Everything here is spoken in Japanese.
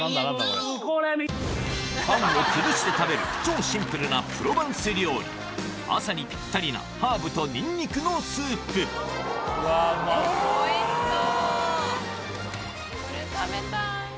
これ見パンを崩して食べる超シンプルなプロヴァンス料理朝にぴったりなハーブとニンニクのスープおいしそう。